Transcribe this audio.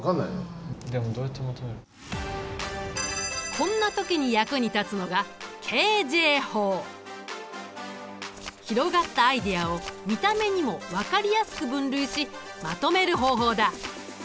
こんな時に役に立つのが広がったアイデアを見た目にも分かりやすく分類しまとめる方法だ。